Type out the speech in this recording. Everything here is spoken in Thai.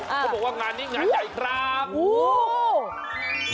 เขาบอกว่างานนี้งานใหญ่ครับโอ้โห